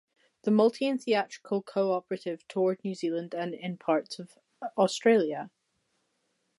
The multi and theatrical co-operative toured New Zealand and in parts of Australia.